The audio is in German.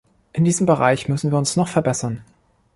In diesem Bereich müssen wir uns noch verbessern.